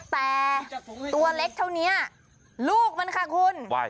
แต่ตัวเล็กเท่านี้ลูกมันค่ะคุณ